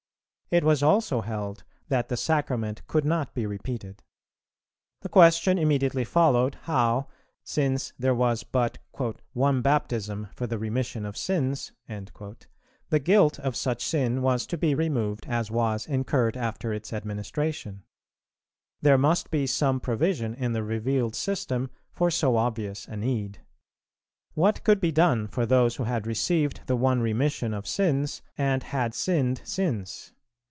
It was also held that the Sacrament could not be repeated. The question immediately followed, how, since there was but "one Baptism for the remission of sins," the guilt of such sin was to be removed as was incurred after its administration. There must be some provision in the revealed system for so obvious a need. What could be done for those who had received the one remission of sins, and had sinned since?